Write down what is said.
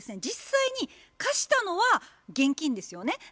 実際に貸したのは現金ですよね。